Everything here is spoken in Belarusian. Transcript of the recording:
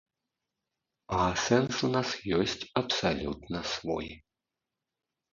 А сэнс у нас ёсць абсалютна свой.